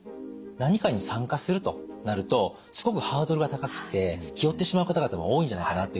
何かに参加するとなるとすごくハードルが高くて気負ってしまう方々も多いんじゃないかなというふうに思います。